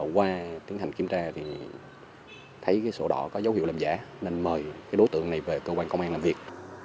qua tiến hành kiểm tra thì thấy sổ đỏ có dấu hiệu làm giả nên mời đối tượng này về cơ quan công an làm việc